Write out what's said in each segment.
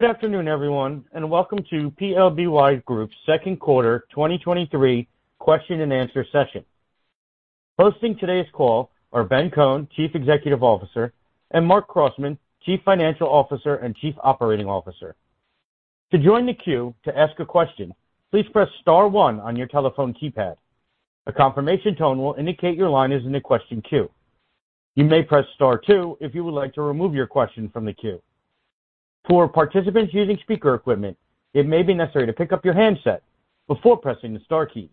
Good afternoon, everyone, and welcome to PLBY Group's second quarter 2023 question and answer session. Hosting today's call are Ben Kohn, Chief Executive Officer, and Marc Crossman, Chief Financial Officer and Chief Operating Officer. To join the queue to ask a question, please press star one on your telephone keypad. A confirmation tone will indicate your line is in the question queue. You may press star two if you would like to remove your question from the queue. For participants using speaker equipment, it may be necessary to pick up your handset before pressing the star keys.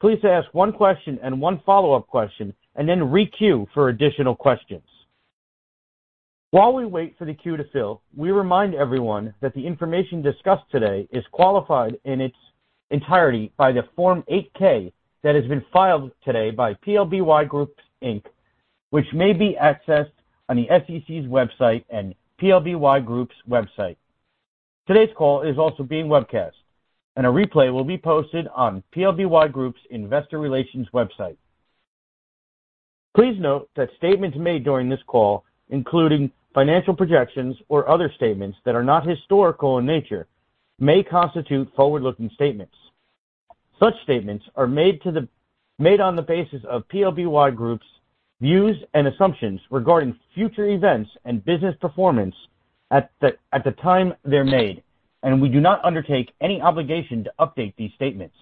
Please ask one question and one follow-up question, and then re-queue for additional questions. While we wait for the queue to fill, we remind everyone that the information discussed today is qualified in its entirety by the Form 8-K that has been filed today by PLBY Group, Inc, which may be accessed on the SEC's website and PLBY Group's website. Today's call is also being webcast, and a replay will be posted on PLBY Group's Investor Relations website. Please note that statements made during this call, including financial projections or other statements that are not historical in nature, may constitute forward-looking statements. Such statements are made on the basis of PLBY Group's views and assumptions regarding future events and business performance at the time they're made, and we do not undertake any obligation to update these statements.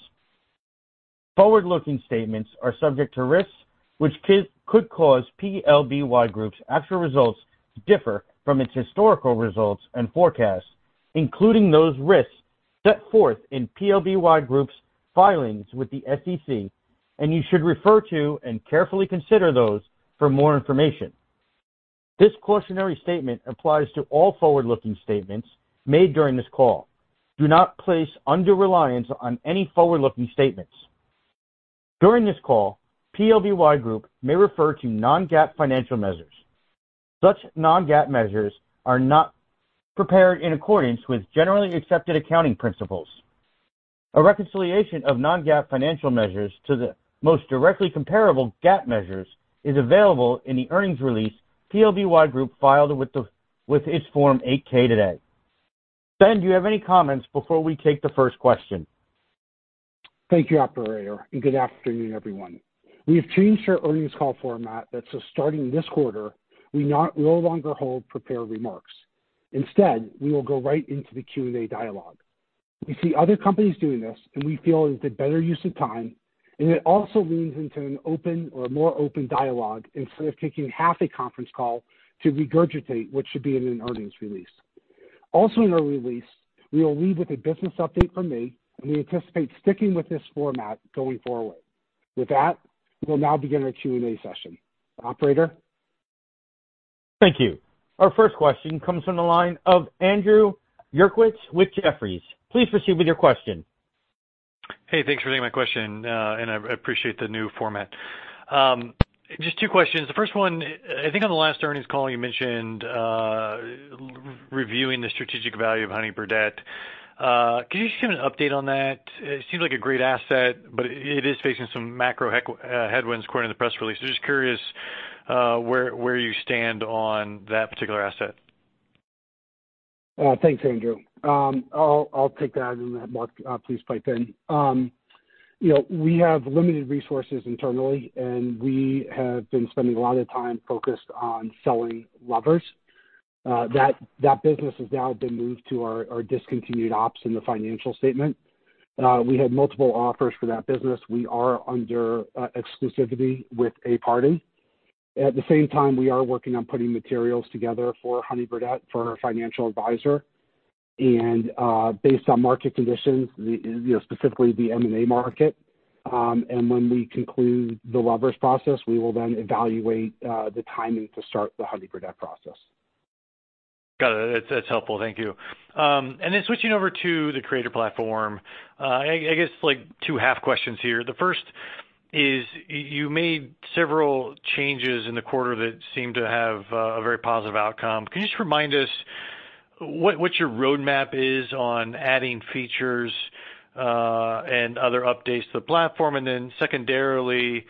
Forward-looking statements are subject to risks which could, could cause PLBY Group's actual results to differ from its historical results and forecasts, including those risks set forth in PLBY Group's filings with the SEC, and you should refer to and carefully consider those for more information. This cautionary statement applies to all forward-looking statements made during this call. Do not place under reliance on any forward-looking statements. During this call, PLBY Group may refer to non-GAAP financial measures. Such non-GAAP measures are not prepared in accordance with Generally Accepted Accounting Principles. A reconciliation of non-GAAP financial measures to the most directly comparable GAAP measures is available in the earnings release PLBY Group filed with the, with its Form 8-K today. Ben, do you have any comments before we take the first question? Thank you, operator. Good afternoon, everyone. We have changed our earnings call format. Starting this quarter, we no longer hold prepared remarks. Instead, we will go right into the Q&A dialogue. We see other companies doing this, and we feel it's a better use of time, and it also leans into an open or a more open dialogue instead of taking half a conference call to regurgitate what should be in an earnings release. Also in our release, we will lead with a business update from me. We anticipate sticking with this format going forward. With that, we will now begin our Q&A session. Operator. Thank you. Our first question comes from the line of Andrew Uerkwitz with Jefferies. Please proceed with your question. Hey, thanks for taking my question. I appreciate the new format. Just two questions. The first one, I think on the last earnings call, you mentioned reviewing the strategic value of Honey Birdette. Can you just give an update on that? It seems like a great asset, but it is facing some macro heck, headwinds according to the press release. Just curious, where, where you stand on that particular asset. Thanks, Andrew. I'll, I'll take that, and Marc, please pipe in. You know, we have limited resources internally, and we have been spending a lot of time focused on selling rubbers. That, that business has now been moved to our, our discontinued ops in the financial statement. We had multiple offers for that business. We are under exclusivity with a party. At the same time, we are working on putting materials together for Honey Birdette, for our financial advisor, and, based on market conditions, the, you know, specifically the M&A market, and when we conclude the rubbers process, we will then evaluate the timing to start the Honey Birdette process. Got it. That's, that's helpful. Thank you. Then switching over to the creator platform, I, I guess like two half questions here. The first is, you made several changes in the quarter that seemed to have a, a very positive outcome. Can you just remind us what, what your roadmap is on adding features and other updates to the platform? Then secondarily,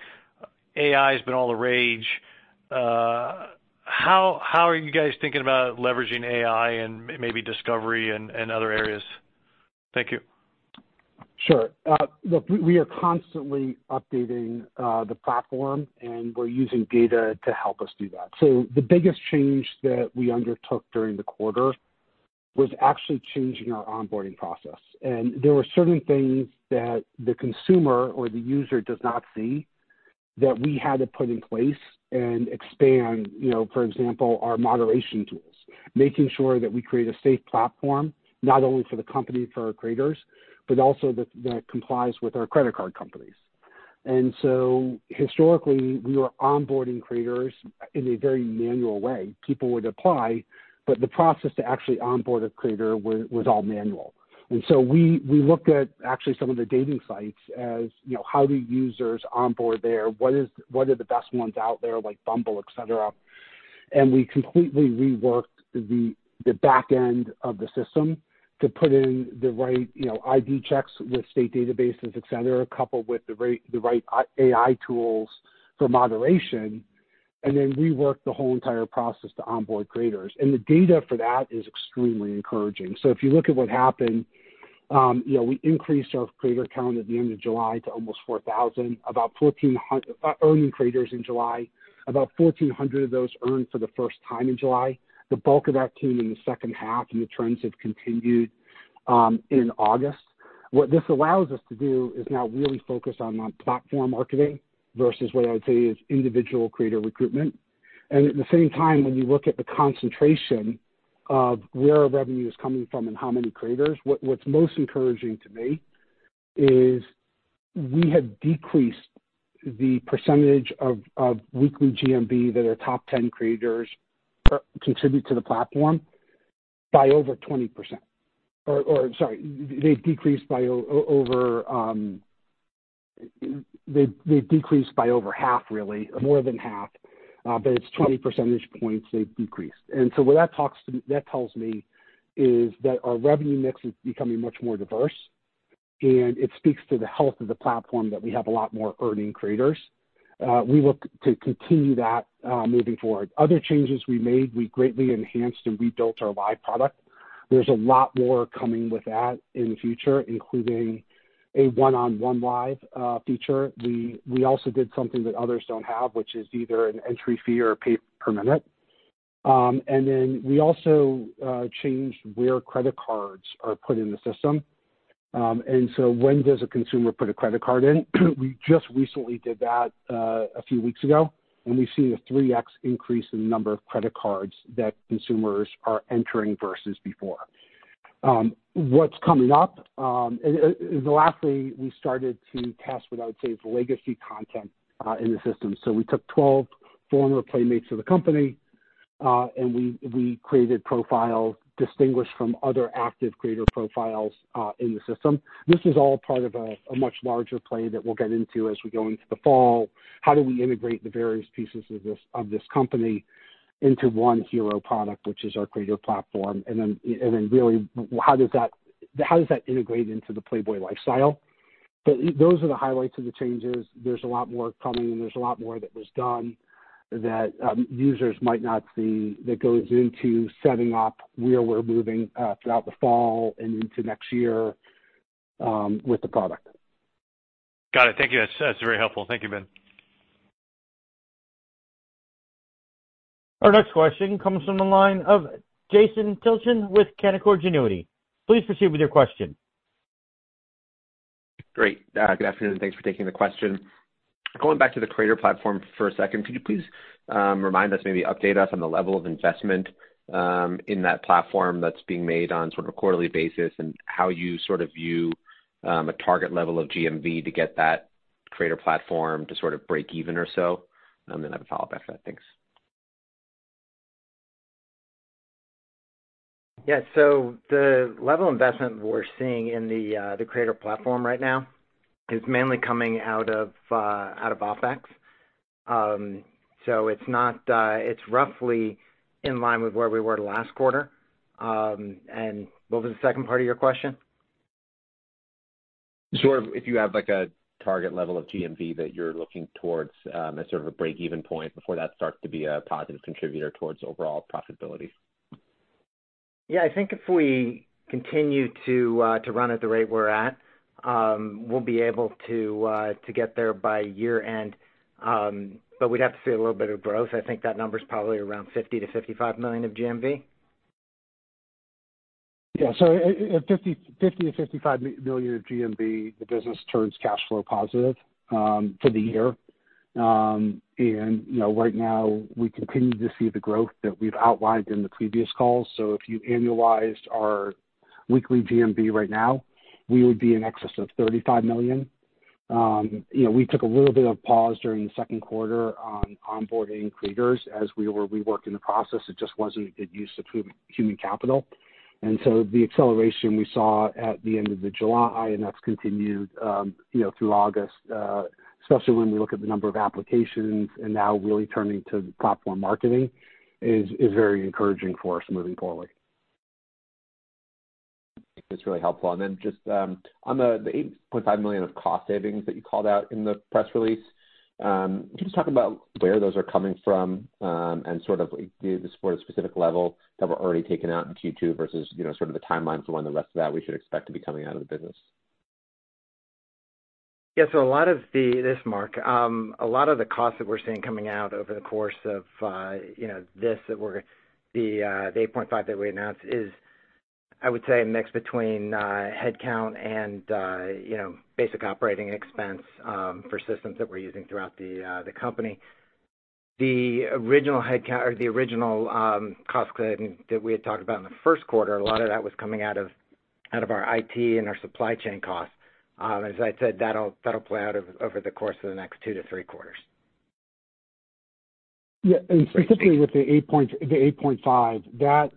AI has been all the rage. How, how are you guys thinking about leveraging AI and maybe discovery and, and other areas? Thank you. Sure. Look, we are constantly updating the platform, and we're using data to help us do that. The biggest change that we undertook during the quarter was actually changing our onboarding process. There were certain things that the consumer or the user does not see, that we had to put in place and expand, you know, for example, our moderation tools. Making sure that we create a safe platform, not only for the company, for our creators, but also that, that complies with our credit card companies. Historically, we were onboarding creators in a very manual way. People would apply, but the process to actually onboard a creator was, was all manual. We, we looked at actually some of the dating sites, as you know, how do users onboard there? What are the best ones out there, like Bumble, et cetera? We completely reworked the, the back end of the system to put in the right, you know, ID checks with state databases, et cetera, coupled with the right, the right AI tools for moderation. Then reworked the whole entire process to onboard creators, and the data for that is extremely encouraging. If you look at what happened, you know, we increased our creator count at the end of July to almost 4,000, about 1,400 earning creators in July. About 1,400 of those earned for the first time in July. The bulk of that came in the second half, and the trends have continued in August. What this allows us to do is now really focus on my platform marketing versus what I would say is individual creator recruitment. At the same time, when you look at the concentration of where our revenue is coming from and how many creators, what, what's most encouraging to me is we have decreased the percentage of weekly GMV that our top 10 creators contribute to the platform by over 20%. Or sorry, they've decreased by over, they've, they've decreased by over half, really, more than half, but it's 20 percentage points they've decreased. What that talks to me, that tells me, is that our revenue mix is becoming much more diverse, and it speaks to the health of the platform that we have a lot more earning creators. We look to continue that moving forward. Other changes we made, we greatly enhanced and rebuilt our live product. There's a lot more coming with that in the future, including a one-on-one live feature. We, we also did something that others don't have, which is either an entry fee or pay per minute. We also changed where credit cards are put in the system. When does a consumer put a credit card in? We just recently did that a few weeks ago, and we've seen a 3x increase in the number of credit cards that consumers are entering versus before. What's coming up, lastly, we started to test what I would say is legacy content in the system. We took 12 former Playmates of the company, and we, we created profiles distinguished from other active creator profiles in the system. This is all part of a much larger play that we'll get into as we go into the fall. How do we integrate the various pieces of this company into one hero product, which is our creator platform? Then really, how does that integrate into the Playboy lifestyle? Those are the highlights of the changes. There's a lot more coming, and there's a lot more that was done that users might not see, that goes into setting up where we're moving throughout the fall and into next year with the product. Got it. Thank you. That's, that's very helpful. Thank you, Ben. Our next question comes from the line of Jason Tilchen with Canaccord Genuity. Please proceed with your question. Great. Good afternoon, thanks for taking the question. Going back to the creator platform for a second, could you please, remind us, maybe update us on the level of investment, in that platform that's being made on sort of a quarterly basis, and how you sort of view, a target level of GMV to get that creator platform to sort of break even or so? I have a follow-up after that. Thanks. Yeah, the level of investment we're seeing in the creator platform right now is mainly coming out of OpEx. It's not, it's roughly in line with where we were last quarter. What was the second part of your question? Sort of if you have, like, a target level of GMV that you're looking towards, as sort of a break-even point before that starts to be a positive contributor towards overall profitability. Yeah, I think if we continue to run at the rate we're at, we'll be able to get there by year-end. We'd have to see a little bit of growth. I think that number is probably around $50 million-$55 million of GMV. At $50-55 million of GMV, the business turns cash flow positive for the year. You know, right now, we continue to see the growth that we've outlined in the previous calls. If you annualized our weekly GMV right now, we would be in excess of $35 million. You know, we took a little bit of pause during the second quarter on onboarding creators as we were reworking the process. It just wasn't a good use of human capital. The acceleration we saw at the end of July, and that's continued, you know, through August, especially when we look at the number of applications and now really turning to platform marketing, is very encouraging for us moving forward. That's really helpful. Just, on the, the $8.5 million of cost savings that you called out in the press release, can you just talk about where those are coming from, and sort of the sort of specific level that were already taken out in Q2 versus, you know, sort of the timelines when the rest of that we should expect to be coming out of the business? Yeah, this is Marc, a lot of the costs that we're seeing coming out over the course of, you know, this, the $8.5 that we announced is, I would say, a mix between headcount and, you know, basic operating expense, for systems that we're using throughout the company. The original headcount, or the original cost cutting that we had talked about in the first quarter, a lot of that was coming out of, out of our IT and our supply chain costs. As I said, that'll, that'll play out over, over the course of the next two to three quarters. Yeah, specifically with the $8.5 million, that,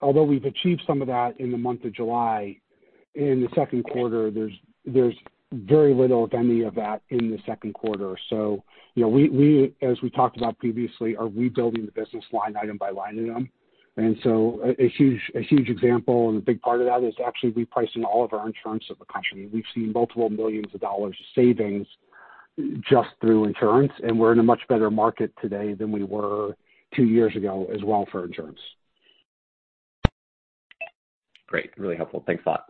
although we've achieved some of that in the month of July, in the second quarter, there's, there's very little, if any, of that in the second quarter. You know, we, we, as we talked about previously, are rebuilding the business line item by line item. A, a huge, a huge example and a big part of that is actually repricing all of our insurance of the company. We've seen multiple millions of dollars of savings just through insurance, and we're in a much better market today than we were two years ago as well for insurance. Great, really helpful. Thanks a lot.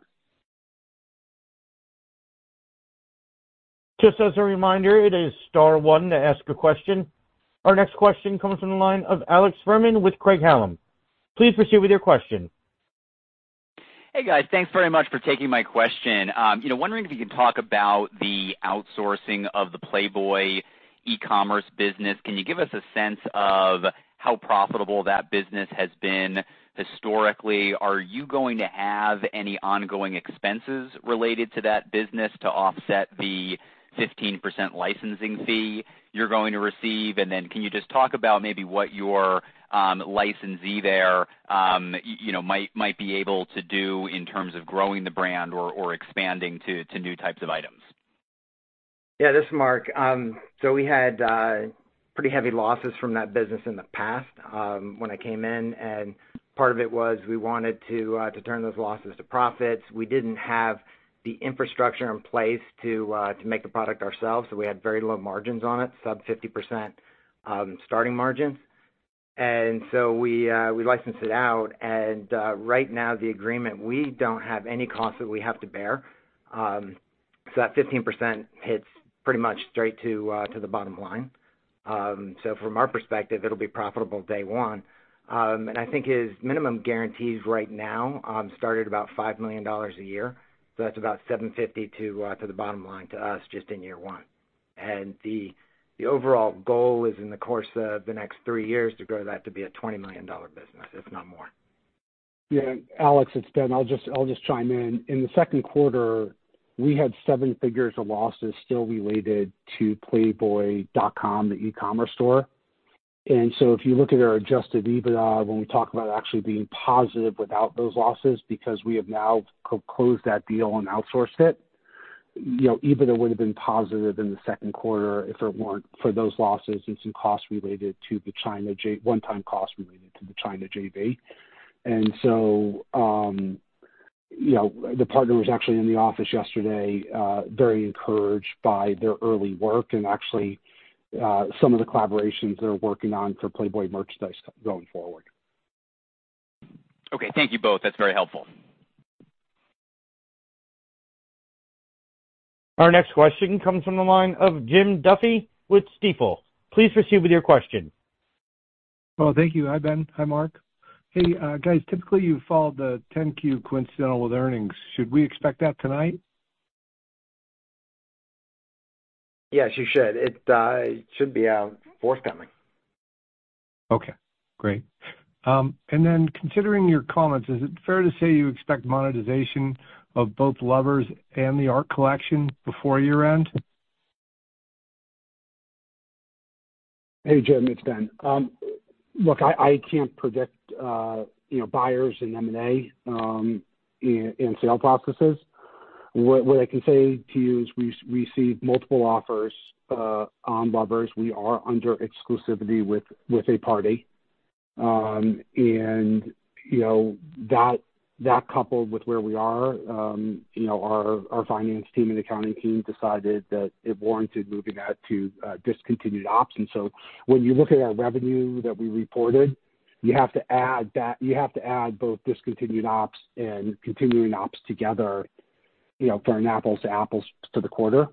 Just as a reminder, it is star one to ask a question. Our next question comes from the line of Alex Fuhrman with Craig-Hallum. Please proceed with your question. Hey, guys. Thanks very much for taking my question. You know, wondering if you can talk about the outsourcing of the Playboy e-commerce business. Can you give us a sense of how profitable that business has been historically? Are you going to have any ongoing expenses related to that business to offset the 15% licensing fee you're going to receive? Then can you just talk about maybe what your licensee there, you know, might, might be able to do in terms of growing the brand or, or expanding to, to new types of items? Yeah, this is Marc. We had pretty heavy losses from that business in the past when I came in, and part of it was we wanted to turn those losses to profits. We didn't have the infrastructure in place to make the product ourselves, so we had very low margins on it, sub 50%, starting margins. We licensed it out, and right now, the agreement, we don't have any cost that we have to bear. That 15% hits pretty much straight to the bottom line. And I think his minimum guarantees right now start at about $5 million a year, so that's about $750,000 to the bottom line to us just in year one. The, the overall goal is in the course of the next three years, to grow that to be a $20 million business, if not more. Yeah, Alex, it's Ben. I'll just chime in. In the second quarter, we had seven figures of losses still related to playboy.com, the e-commerce store. If you look at our adjusted EBITDA, when we talk about actually being positive without those losses, because we have now closed that deal and outsourced it, you know, EBITDA would have been positive in the second quarter if it weren't for those losses and some one-time costs related to the China JV. You know, the partner was actually in the office yesterday, very encouraged by their early work and actually some of the collaborations they're working on for Playboy merchandise going forward. Okay, thank you both. That's very helpful. Our next question comes from the line of Jim Duffy with Stifel. Please proceed with your question. Well, thank you. Hi, Ben. Hi, Marc. Hey, guys, typically, you follow the 10-Q coincidental with earnings. Should we expect that tonight? Yes, you should. It should be out forthcoming. Okay, great. Then considering your comments, is it fair to say you expect monetization of both Lovers and the art collection before year-end? Hey Jim, it's Ben. Look, I, I can't predict, you know, buyers in M&A, in, in sale processes. What, what I can say to you is we received multiple offers on Lovers. We are under exclusivity with, with a party. You know, that, that coupled with where we are, you know, our, our finance team and accounting team decided that it warranted moving that to discontinued ops. When you look at our revenue that we reported, you have to add that, you have to add both discontinued ops and continuing ops together, you know, for an apples to apples to the quarter.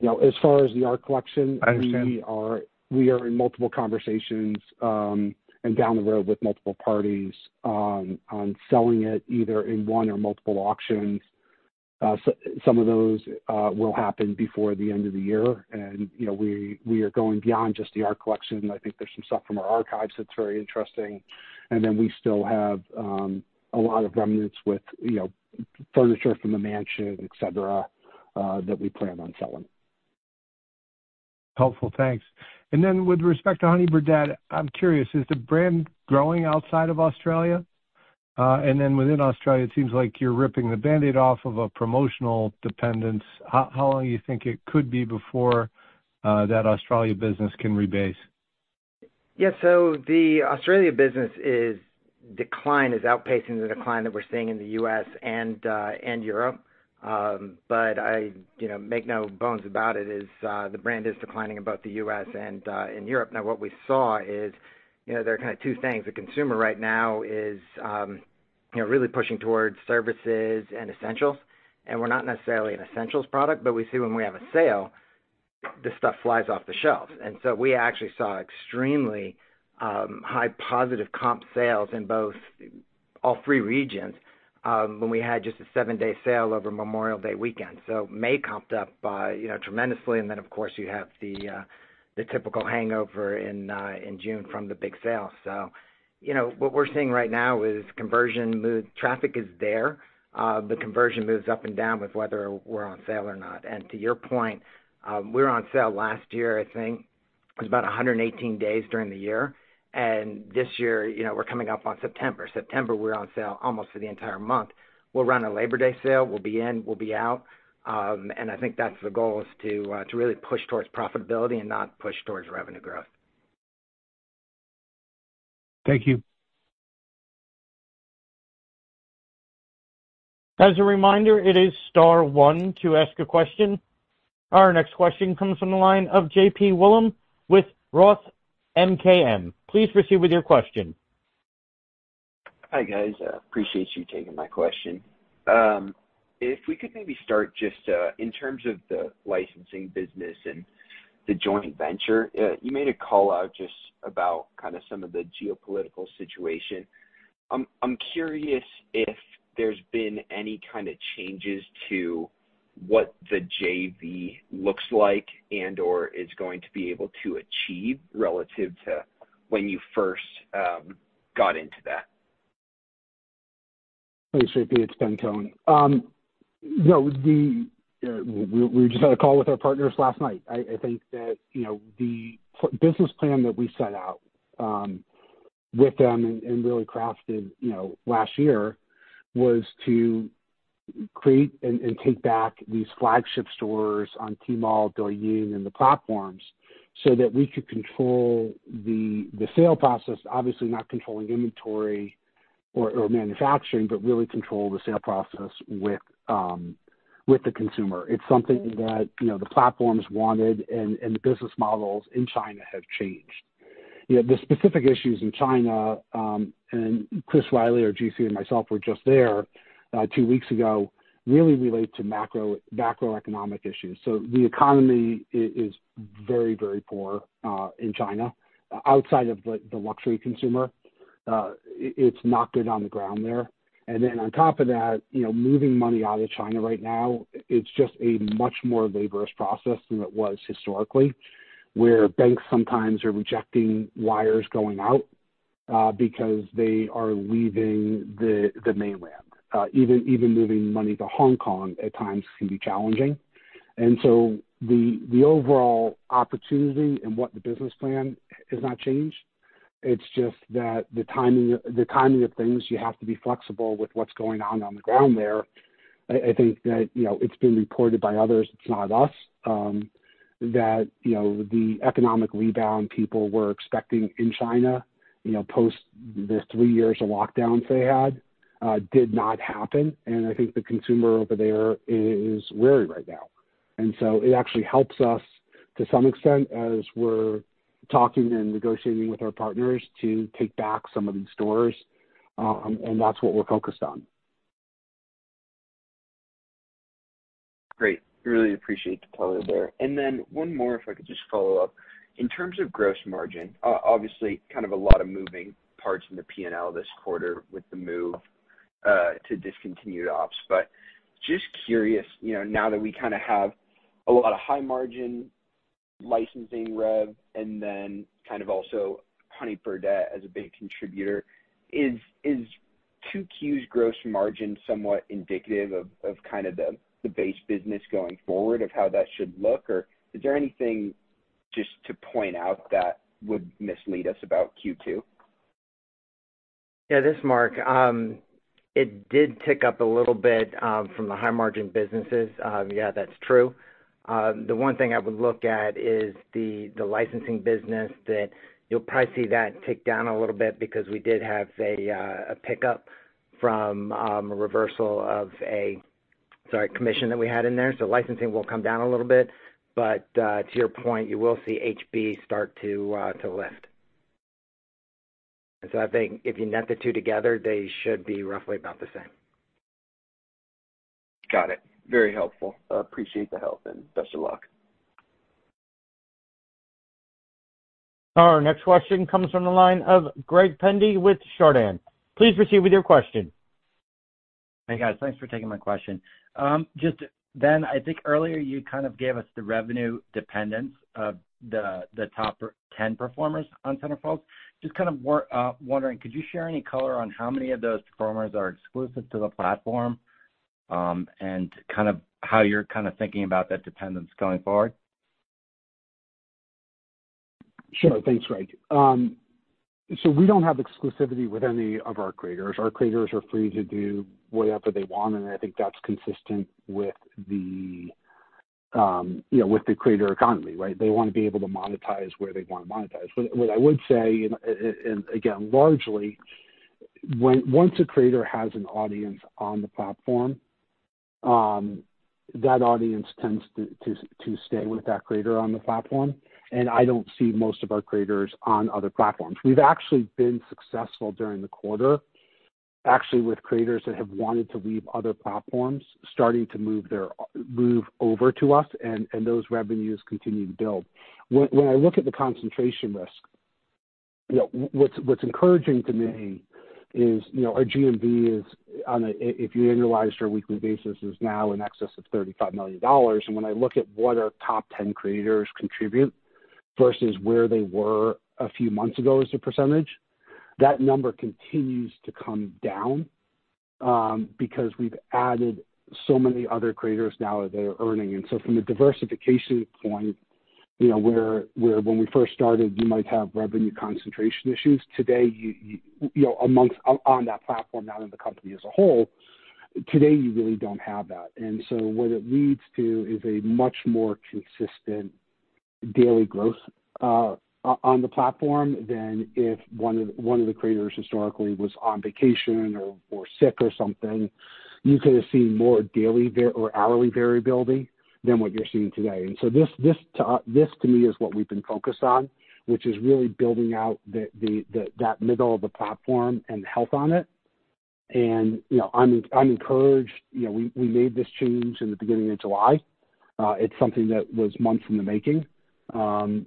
You know, as far as the art collection. I understand. We are, we are in multiple conversations, and down the road with multiple parties on, on selling it, either in one or multiple auctions. Some of those will happen before the end of the year. You know, we, we are going beyond just the art collection. I think there's some stuff from our archives that's very interesting. Then we still have a lot of remnants with, you know, furniture from the mansion, et cetera, that we plan on selling. Helpful, thanks. Then with respect to Honey Birdette, I'm curious, is the brand growing outside of Australia? Then within Australia, it seems like you're ripping the band-aid off of a promotional dependence. How, how long do you think it could be before that Australia business can rebase? Yeah, so the Australia business is, decline is outpacing the decline that we're seeing in the U.S. and Europe. But I, you know, make no bones about it, is, the brand is declining in both the U.S. and in Europe. Now, what we saw is, you know, there are kind of two things. The consumer right now is, you know, really pushing towards services and essentials, and we're not necessarily an essentials product, but we see when we have a sale, this stuff flies off the shelves. We actually saw extremely high positive comp sales in both, all three regions, when we had just a seven-day sale over Memorial Day weekend. May comped up by, you know, tremendously, and then, of course, you have the typical hangover in June from the big sale. You know, what we're seeing right now is conversion traffic is there, but conversion moves up and down with whether we're on sale or not. To your point, we were on sale last year, I think it was about 118 days during the year, and this year, you know, we're coming up on September. September, we're on sale almost for the entire month. We'll run a Labor Day sale. We'll be in, we'll be out. I think that's the goal, is to really push towards profitability and not push towards revenue growth. Thank you. As a reminder, it is star one to ask a question. Our next question comes from the line of J.P. Wollam with Roth MKM. Please proceed with your question. Hi, guys. Appreciate you taking my question. If we could maybe start just in terms of the licensing business and the joint venture. You made a call out just about kind of some of the geopolitical situation. I'm curious if there's been any kind of changes to what the JV looks like and, or is going to be able to achieve relative to when you first got into that. Thanks, J.P. It's Ben Kohn. No, the, we, we just had a call with our partners last night. I, I think that, you know, the business plan that we set out with them and, and really crafted, you know, last year, was to create and, and take back these flagship stores on Tmall, Douyin, and the platforms, so that we could control the, the sale process. Obviously, not controlling inventory or, or manufacturing, but really control the sale process with the consumer. It's something that, you know, the platforms wanted and, and the business models in China have changed. You know, the specific issues in China, and Chris Riley, our GC, and myself were just there two weeks ago, really relate to macro, macroeconomic issues. The economy is, is very, very poor in China, outside of the, the luxury consumer. It's not good on the ground there. On top of that, you know, moving money out of China right now, it's just a much more laborious process than it was historically, where banks sometimes are rejecting wires going out because they are leaving the mainland. Even, even moving money to Hong Kong at times can be challenging. The, the overall opportunity and what the business plan has not changed, it's just that the timing, the timing of things, you have to be flexible with what's going on on the ground there. I, I think that, you know, it's been reported by others, it's not us, that, you know, the economic rebound people were expecting in China, you know, post the three years of lockdowns they had, did not happen, and I think the consumer over there is wary right now. So it actually helps us to some extent, as we're talking and negotiating with our partners to take back some of these stores, and that's what we're focused on. Great. Really appreciate the color there. Then one more, if I could just follow up. In terms of gross margin, obviously, kind of a lot of moving parts in the P&L this quarter with the move to discontinued ops, but just curious, you know, now that we kind of have a lot of high margin licensing rev and then kind of also Honey Birdette as a big contributor, is, is 2Q's gross margin somewhat indicative of, of kind of the, the base business going forward, of how that should look? Or is there anything just to point out that would mislead us about Q2? Yeah, this is Marc. It did tick up a little bit from the high margin businesses. Yeah, that's true. The one thing I would look at is the, the licensing business, that you'll probably see that tick down a little bit because we did have a pickup from a reversal of a, sorry, commission that we had in there. Licensing will come down a little bit, but to your point, you will see HB start to lift. I think if you net the two together, they should be roughly about the same. Got it. Very helpful. I appreciate the help and best of luck. Our next question comes from the line of Greg Pendy with Chardan. Please proceed with your question. Hey, guys. Thanks for taking my question. Just, Ben, I think earlier you kind of gave us the revenue dependence of the, the top 10 performers on CENTERFOLD. Just kind of wondering, could you share any color on how many of those performers are exclusive to the platform, and kind of how you're kind of thinking about that dependence going forward? Sure. Thanks, Greg. We don't have exclusivity with any of our creators. Our creators are free to do whatever they want, and I think that's consistent with the, you know, with the creator economy, right? They want to be able to monetize where they want to monetize. What I would say, and, and, and again, largely, once a creator has an audience on the platform, that audience tends to, to, to stay with that creator on the platform, and I don't see most of our creators on other platforms. We've actually been successful during the quarter, actually with creators that have wanted to leave other platforms, starting to move their move over to us, and, and those revenues continue to build. When I look at the concentration risk, you know, what's encouraging to me is, you know, our GMV is on a, if you annualize your weekly basis, is now in excess of $35 million. When I look at what our top 10 creators contribute versus where they were a few months ago as a percentage, that number continues to come down because we've added so many other creators now that are earning. From a diversification point, you know, where when we first started, you might have revenue concentration issues, today, you know, amongst, on that platform, not in the company as a whole, today, you really don't have that. What it leads to is a much more consistent daily growth on the platform than if one of, one of the creators historically was on vacation or, or sick or something. You could have seen more daily or hourly variability than what you're seeing today. This, this to, this to me, is what we've been focused on, which is really building out the middle of the platform and the health on it. You know, I'm, I'm encouraged. You know, we, we made this change in the beginning of July. It's something that was months in the making, and,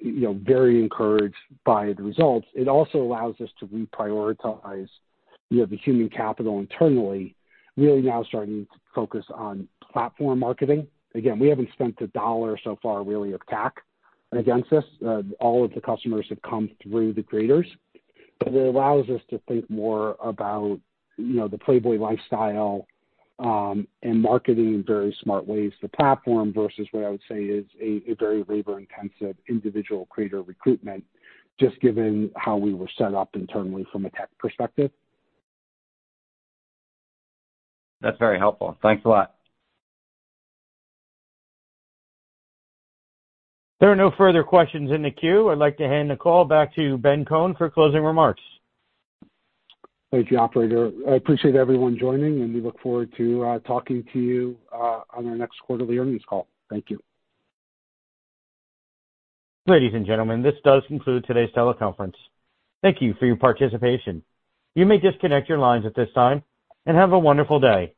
you know, very encouraged by the results. It also allows us to reprioritize, you know, the human capital internally, really now starting to focus on platform marketing. Again, we haven't spent a dollar so far, really, of TAC against this. All of the customers have come through the creators, but it allows us to think more about, you know, the Playboy lifestyle, and marketing in very smart ways, the platform, versus what I would say is a very labor-intensive individual creator recruitment, just given how we were set up internally from a tech perspective. That's very helpful. Thanks a lot. There are no further questions in the queue. I'd like to hand the call back to Ben Kohn for closing remarks. Thank you, operator. I appreciate everyone joining. We look forward to talking to you on our next quarterly earnings call. Thank you. Ladies and gentlemen, this does conclude today's teleconference. Thank you for your participation. You may disconnect your lines at this time. Have a wonderful day.